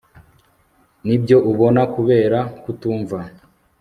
Nibyo ubona kubera kutumva